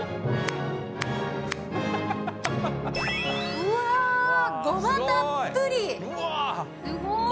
うわー、ごまたっぷり。